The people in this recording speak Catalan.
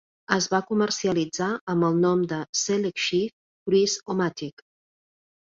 Es va comercialitzar amb el nom de "SelectShift Cruise-O-Matic".